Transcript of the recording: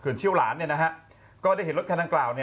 ขึ้นชิ้วหลานก็ได้เห็นรถคันร้านกลาว